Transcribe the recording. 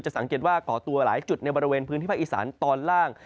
สังเกตว่าก่อตัวหลายจุดในบริเวณพื้นที่ภาคอีสานตอนล่าง